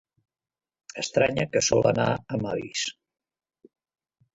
Estranya que sol anar amb avis.